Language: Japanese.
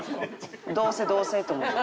どうせどうせと思って。